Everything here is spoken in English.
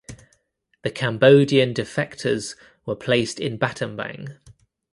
The Cambodian defectors were placed in Battambang.